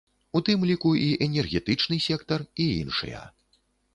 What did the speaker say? У тым ліку і энергетычны сектар, і іншыя.